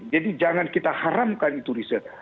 jadi jangan kita haramkan itu riset